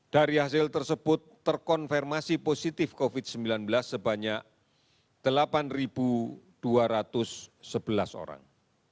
dari hasil tersebut terkonfirmasi positif covid sembilan belas sebanyak delapan dua ratus sebelas orang